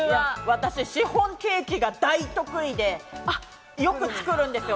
私、シフォンケーキが大得意で、よく作るんですよ。